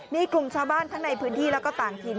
มีกลุ่มชาวบ้านทั้งในพื้นที่แล้วก็ต่างถิ่น